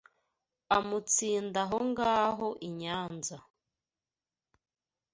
amutsinda aho ngaho I Nyanza